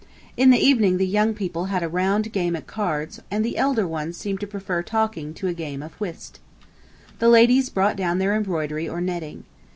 In the evening the young people had a round game at cards and the elder ones seemed to prefer talking to a game at whist. The ladies brought down their embroidery or netting.